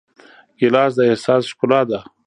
ګیلاس د احساس ښکلا ده.